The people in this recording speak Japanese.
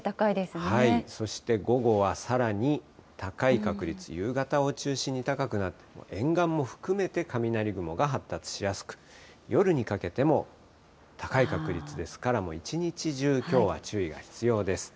そして午後はさらに高い確率、夕方を中心に高くなって、沿岸も含めて雷雲が発達しやすく、夜にかけても、高い確率ですから、もう一日中、きょうは注意が必要です。